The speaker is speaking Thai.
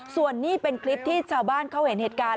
ส่วนนี้เป็นคลิปที่ชาวบ้านเขาเห็นเหตุการณ์